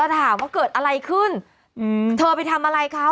ล่าส่วนต่อถ่าว่าเกิดอะไรขึ้นเธอไปทำอะไรเค้า